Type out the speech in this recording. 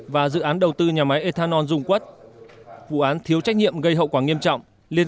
và dự án đầu tư nhà máy ethanol dung quất vụ án thiếu trách nhiệm gây hậu quả nghiêm trọng liên